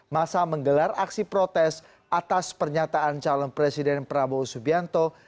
masa menggelar aksi protes atas pernyataan calon presiden prabowo subianto